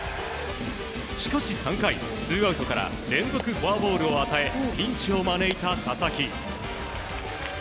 しかし３回、ツーアウトから連続フォアボールを与えピンチを招いた佐々木。